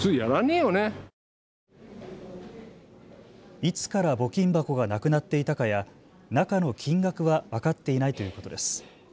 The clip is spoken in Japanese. いつから募金箱がなくなっていたかや、中の金額は分かっていないということです。